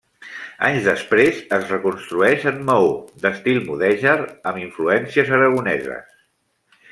Anys després es reconstrueix en maó, d'estil mudèjar amb influències aragoneses.